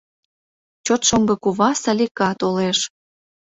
Чот шоҥго кува — Салика — толеш.